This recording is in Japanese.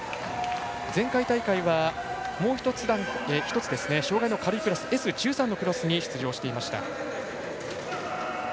前回大会はもう１つ障がいの軽いクラスＳ１３のクラスに出場していました。